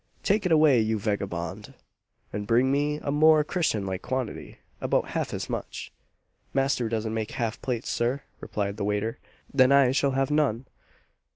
Take it away, you vagabond! and bring me a more christian like quantity about half as much." "Master doesn't make half plates, sir," replied the waiter. "Then I shall have none!"